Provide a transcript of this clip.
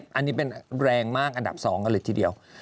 อันนี้เป็นแรงมากอันดับ๒กันเลยทีเดียว